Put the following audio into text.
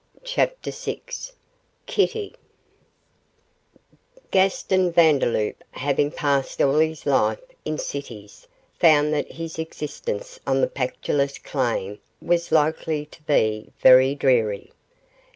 CHAPTER VI KITTY Gaston Vandeloup having passed all his life in cities found that his existence on the Pactolus claim was likely to be very dreary.